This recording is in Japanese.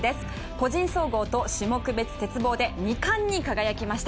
個人総合と種目別鉄棒で２冠に輝きました。